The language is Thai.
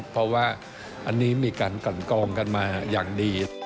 เพราะว่าอันนี้มีการกันกองกันมาอย่างดี